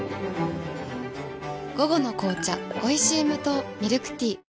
午後の紅茶おいしい無糖ミルクティー